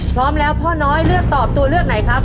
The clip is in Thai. พร้อมแล้วพ่อน้อยเลือกตอบตัวเลือกไหนครับ